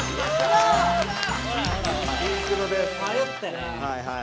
迷ったね。